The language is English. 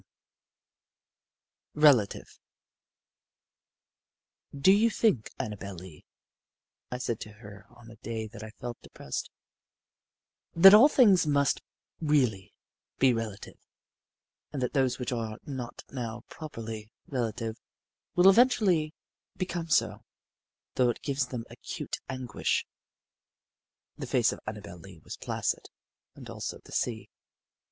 IX RELATIVE "Do you think, Annabel Lee," I said to her on a day that I felt depressed, "that all things must really be relative, and that those which are not now properly relative will eventually become so, though it gives them acute anguish?" The face of Annabel Lee was placid, and also the sea.